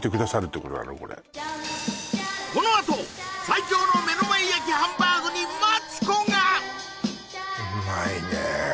今日このあと最強の目の前焼きハンバーグにマツコが！